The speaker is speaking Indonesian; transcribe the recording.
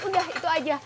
udah itu aja